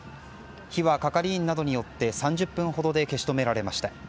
火は係員などによって３０分ほどで消し止められました。